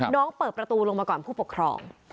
เปิดประตูลงมาก่อนผู้ปกครอง